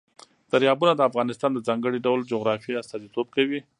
دریابونه د افغانستان د ځانګړي ډول جغرافیه استازیتوب کوي.